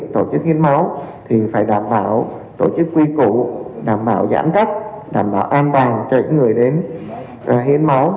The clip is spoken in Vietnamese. tổ chức hiến máu thì phải đảm bảo tổ chức quy cụ đảm bảo giãn cách đảm bảo an toàn cho những người đến hiến máu